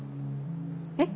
えっ？